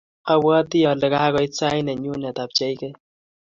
abwatii ale kakoit sait nenyune apcheikei.